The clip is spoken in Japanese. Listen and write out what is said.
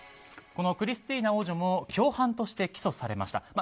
クリスティーナ王女も共犯として起訴されました。